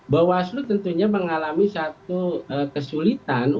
bahwa seluruh tentunya mengalami satu kesulitan untuk